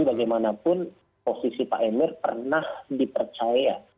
bagaimanapun posisi pak emir pernah dipercaya